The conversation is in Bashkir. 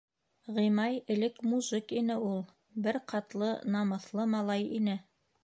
— Ғимай элек мужик ине ул. Бер ҡатлы, намыҫлы малай ине.